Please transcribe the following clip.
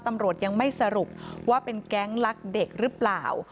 ตำรวจยังไม่สรุปว่าเป็นแก๊งลักเด็กหรือเปล่า